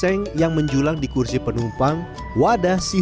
atau dalam sebulan mampu beraup on set